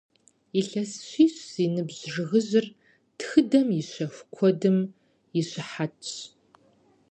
Илъэс щищ зи ныбжь жыгыжьыр тхыдэм и щэху куэдым и щыхьэтщ.